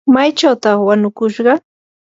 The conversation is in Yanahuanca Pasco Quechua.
¿maychawtaq wanukushqa?